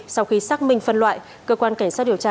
sau khi xác minh phân loại cơ quan cảnh sát điều tra